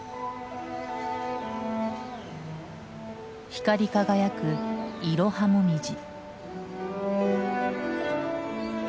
光り輝くイロハモミジ。